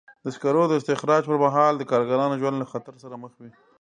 د سکرو د استخراج پر مهال د کارګرانو ژوند له خطر سره مخ وي.